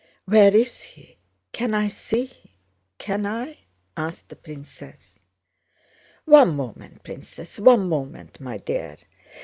"Where is he? Can I see him—can I?" asked the princess. "One moment, Princess, one moment, my dear!